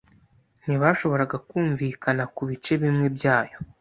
Ntibashoboraga kumvikana kubice bimwe byacyo.